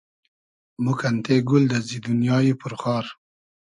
مۉ کئنتې گول دئزی دونیایی پور خار